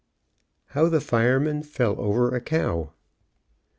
HOW THE FIREMAN FELL OVER A COW.